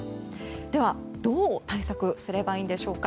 では、どう対策すればいいんでしょうか。